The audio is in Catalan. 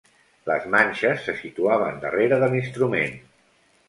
Les manxes se situaven darrere de l'instrument.